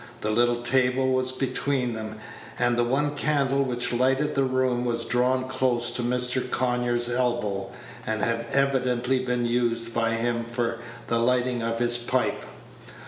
The little table was between them, and the one candle which lighted the room was drawn close to Mr. Conyers' elbow, and had evidently been used by him for the lighting of his pipe.